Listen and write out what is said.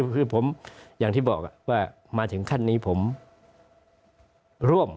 คือผมอย่างที่บอกว่ามาถึงขั้นนี้ผมร่วม